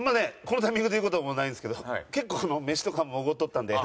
このタイミングで言う事もないんですけど結構飯とかもおごっとったんで。